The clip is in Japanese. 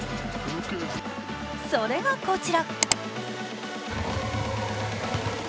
それがこちら。